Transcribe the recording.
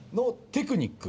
テクニック。。